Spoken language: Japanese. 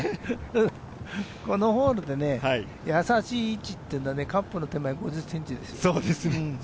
このホールでね、優しい位置っていうのは、カップの手前５０ｃｍですよ。